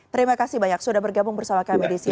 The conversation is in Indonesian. terima kasih banyak sudah bergabung bersama kami di sini